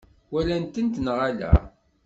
Walant-tent neɣ ala?